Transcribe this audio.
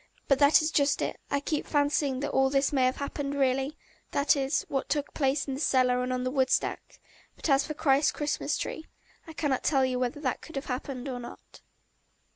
But that is just it, I keep fancying that all this may have happened really that is, what took place in the cellar and on the woodstack; but as for Christ's Christmas tree, I cannot tell you whether that could have happened or not.